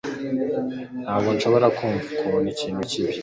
Ntabwo nshobora kumva ikindi kintu cyibi